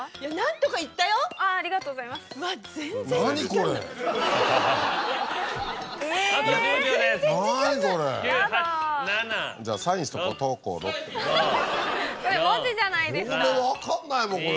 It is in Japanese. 分かんないもんこれ。